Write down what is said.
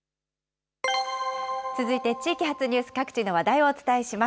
続いて地域発ニュース、各地の話題をお伝えします。